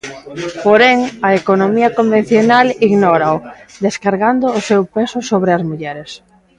Porén a economía convencional ignórao, descargando o seu peso sobre as mulleres.